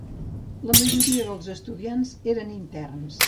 La majoria dels estudiants eren interns.